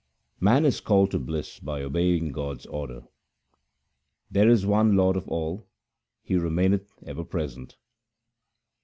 Man is called to bliss by obeying God's order :— There is one Lord of all ; He remaineth ever present.